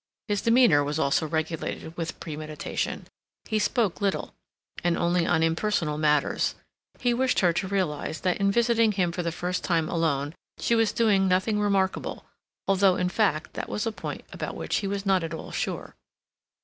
His demeanor was also regulated with premeditation; he spoke little, and only on impersonal matters; he wished her to realize that in visiting him for the first time alone she was doing nothing remarkable, although, in fact, that was a point about which he was not at all sure.